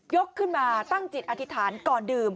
ขึ้นมาตั้งจิตอธิษฐานก่อนดื่ม